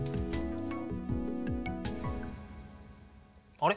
あれ？